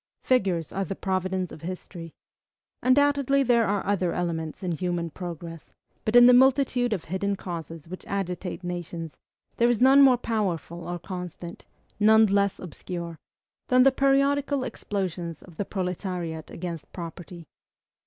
Figures are the providence of history. Undoubtedly there are other elements in human progress; but in the multitude of hidden causes which agitate nations, there is none more powerful or constant, none less obscure, than the periodical explosions of the proletariat against property.